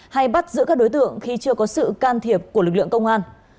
hay bắt giữ các đối tượng khi chưa có sự can thiệp của lực lượng công an